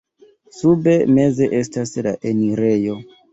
Sube meze estas la enirejo.